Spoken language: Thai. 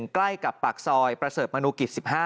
ใกล้กับปากซอยประเสริฐมนุกิจ๑๕